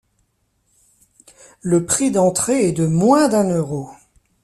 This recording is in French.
Le prix d'entrée est de moins d'un euro.